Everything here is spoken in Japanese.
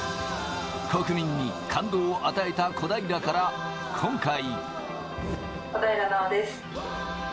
国民に感動を与えた小平から今回。